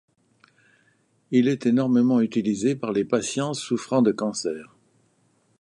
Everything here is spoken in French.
Il est énormément utilisé par les patients souffrant de cancer.